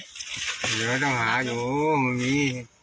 อยู่แล้วต้องหาอยู่มันมี